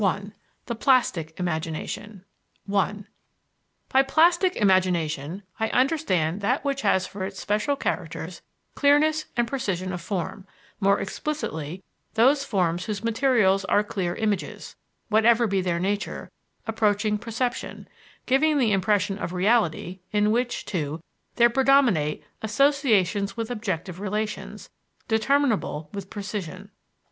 CHAPTER I THE PLASTIC IMAGINATION I By "plastic imagination" I understand that which has for its special characters clearness and precision of form; more explicitly those forms whose materials are clear images (whatever be their nature), approaching perception, giving the impression of reality; in which, too, there predominate associations with objective relations, determinable with precision.